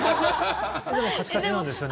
でもカチカチなんですよね。